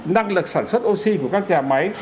năng lực sản xuất oxy của các nhà máy